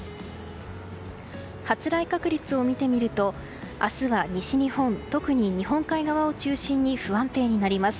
発雷確率を見てみると明日は西日本、特に日本海側を中心に不安定になります。